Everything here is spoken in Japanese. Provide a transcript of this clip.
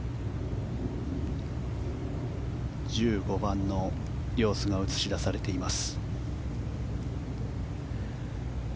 １５番の様子が映し出されています。